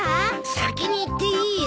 先に行っていいよ。